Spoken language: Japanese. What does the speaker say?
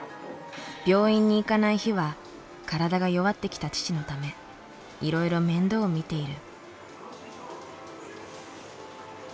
病院に行かない日は体が弱ってきた父のためいろいろ面倒を見ている。